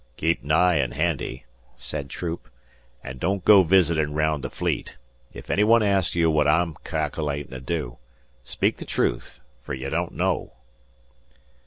"Keep nigh an' handy," said Troop "an' don't go visitin' raound the Fleet. If any one asks you what I'm cal'latin' to do, speak the truth fer ye don't know."